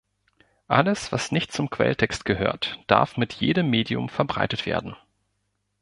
Alles was nicht zum Quelltext gehört, darf mit jedem Medium verbreitet werden.